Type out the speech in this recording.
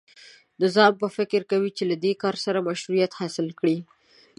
نظام به فکر کوي چې له دې کار سره مشروعیت حاصل کړي.